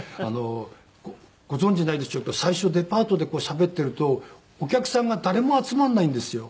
ご存じないでしょうけど最初デパートでしゃべっているとお客さんが誰も集まらないんですよ。